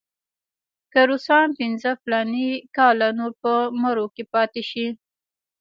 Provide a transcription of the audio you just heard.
که روسان پنځه فلاني کاله نور په مرو کې پاتې شي.